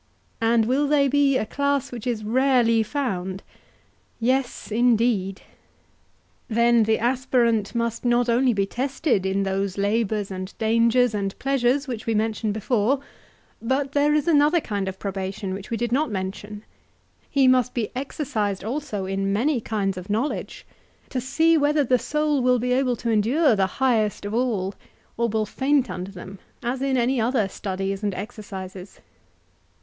And will they be a class which is rarely found? Yes, indeed. Then the aspirant must not only be tested in those labours and dangers and pleasures which we mentioned before, but there is another kind of probation which we did not mention—he must be exercised also in many kinds of knowledge, to see whether the soul will be able to endure the highest of all, or will faint under them, as in any other studies and exercises.